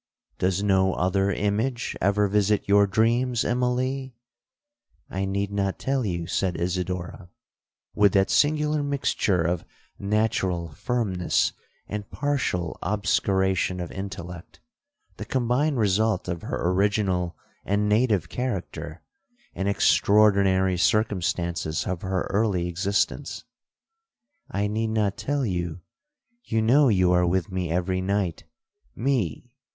'—'Does no other image ever visit your dreams, Immalee?'—'I need not tell you,' said Isidora, with that singular mixture of natural firmness, and partial obscuration of intellect,—the combined result of her original and native character, and extraordinary circumstances of her early existence—'I need not tell you—you know you are with me every night!'—'Me?'